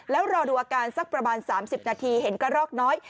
แล้วรอดูอาการสักประมาณ๓๐นาทีเห็นกระรอกน้อย